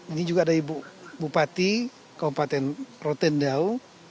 ini juga dari bupati kabupaten rotendau